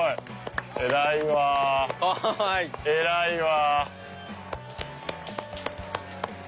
偉いわ！